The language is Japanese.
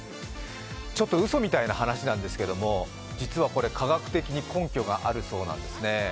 ちょっとうそみたいな話なんですけど実はこれ、科学的に根拠があるそうなんですね。